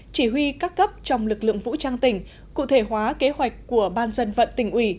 chỉ huy các cấp trong lực lượng vũ trang tỉnh cụ thể hóa kế hoạch của ban dân vận tỉnh ủy